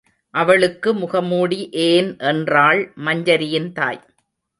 அவளுக்கு முகமூடி ஏன் என்றாள் மஞ்சரியின் தாய்.